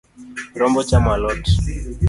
Rombo chamo a lot